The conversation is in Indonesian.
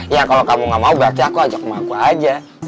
ya kalau kamu gak mau berarti aku ajak sama aku aja